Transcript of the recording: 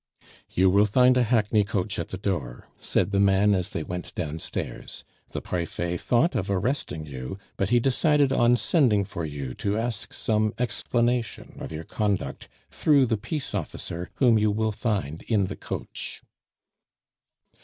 "You will find a hackney coach at the door," said the man as they went downstairs. "The Prefet thought of arresting you, but he decided on sending for you to ask some explanation of your conduct through the peace officer whom you will find in the coach."